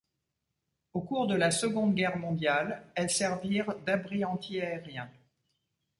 Au cours de la Seconde Guerre mondiale, elles servirent d'abris anti-aériens.